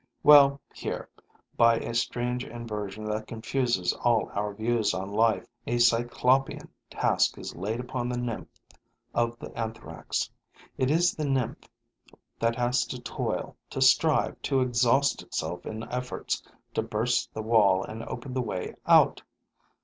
Well, here, by a strange inversion that confuses all our views on life, a Cyclopean task is laid upon the nymph of the Anthrax. It is the nymph that has to toil, to strive, to exhaust itself in efforts to burst the wall and open the way out.